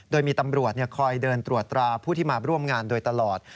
โดยมีตำรวจคอยเดินตรวจตราผู้ที่มาร่วมงานโดยตลอด